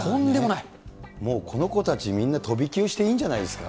もうこの子たち、みんな飛び級していいんじゃないですか。